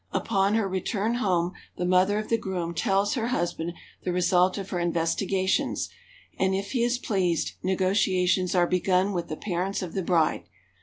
Upon her return home the mother of the groom tells her husband the result of her investiga tions, and if he is pleased, negotiations are begun with the parents of the bride.